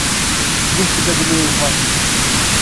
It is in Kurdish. Guh bide dilê xwe.